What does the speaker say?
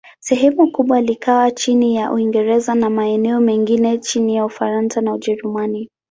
Sehemu kubwa likawa chini ya Uingereza, na maeneo mengine chini ya Ufaransa na Ujerumani.